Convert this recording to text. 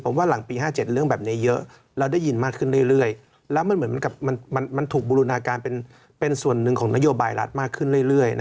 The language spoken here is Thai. ผมว่าหลังปี๕๗เรื่องแบบนี้เยอะเราได้ยินมากขึ้นเรื่อยแล้วมันเหมือนกับมันถูกบูรณาการเป็นส่วนหนึ่งของนโยบายรัฐมากขึ้นเรื่อย